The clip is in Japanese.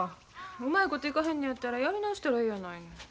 うまいこといかへんのやったらやり直したらええやないの。